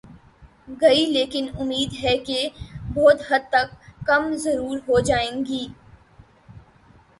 گی لیکن امید ہے کہ بہت حد تک کم ضرور ہو جائیں گی۔